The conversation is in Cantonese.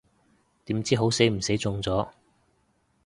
點知好死唔死中咗